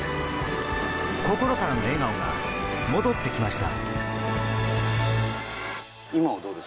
心からの笑顔が戻ってきました。